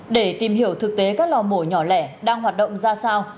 để tìm hiểu thực tế các lò mổ nhỏ lẻ đang hoạt động ra sao